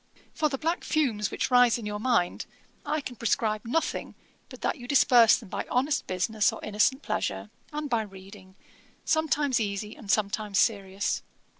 'For the black fumes which rise in your mind, I can prescribe nothing but that you disperse them by honest business or innocent pleasure, and by reading, sometimes easy and sometimes serious.